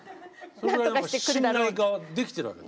それぐらい信頼ができてるわけだ。